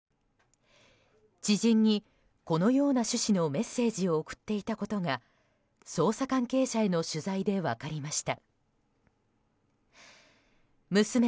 知人に、このような趣旨のメッセージを送っていたことが捜査関係者への取材で分かりました。